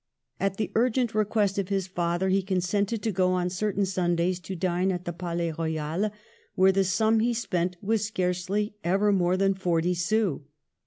At the urgent request of his father he con sented to go on certain Sundays to dine at the Palais Royal, where the sum he spent was scarcely ever more than forty sous!